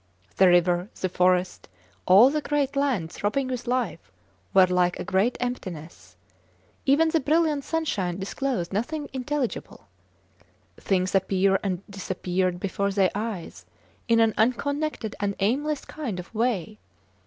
The river, the forest, all the great land throbbing with life, were like a great emptiness. Even the brilliant sunshine disclosed nothing intelligible. Things appeared and disappeared before their eyes in an unconnected and aimless kind of way.